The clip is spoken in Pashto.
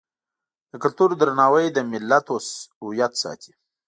د کلتور درناوی د ملت هویت ساتي.